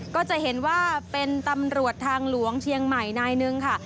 ก็จะเห็นว่าเป็นตำรวจทางหลวงเชียงใหม่นายหนึ่งค่ะ